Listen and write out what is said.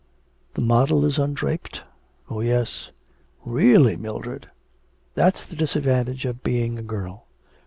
'The model is undraped?' 'Oh, yes.' 'Really Mildred ' 'That's the disadvantage of being a girl.